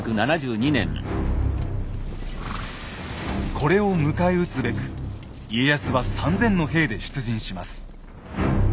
これを迎え撃つべく家康は３，０００の兵で出陣します。